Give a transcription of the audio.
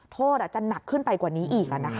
โทษจะหนักขึ้นไปกว่านี้อีกอ่ะนะคะ